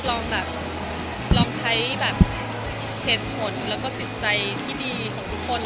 ลองใช้เหตุผลและจิตใจที่ดีของทุกคน